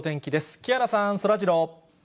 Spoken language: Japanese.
木原さん、そらジロー。